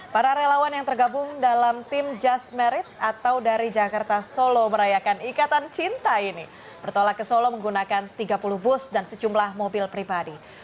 para relawan yang tergabung dalam tim jas marrit atau dari jakarta solo merayakan ikatan cinta ini bertolak ke solo menggunakan tiga puluh bus dan sejumlah mobil pribadi